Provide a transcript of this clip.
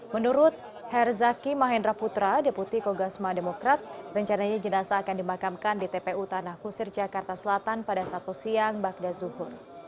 menurut herzaki mahendra putra deputi kogasma demokrat rencananya jenasa akan dimakamkan di tpu tanah kusir jakarta selatan pada sabtu siang bagda zuhur